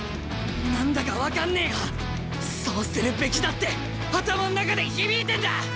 何だか分かんねえがそうするべきだって頭の中で響いてんだ！